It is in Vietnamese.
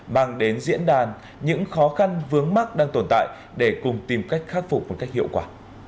mang đến diễn đàn những khó khăn vướng mắt đang tồn tại để cùng tìm cách khắc phục một cách hiệu quả